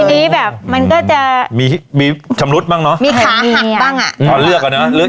พีมี้แบบมันก็จะมีชำรุดบ้างเนอะมีขาหักบ้างอะ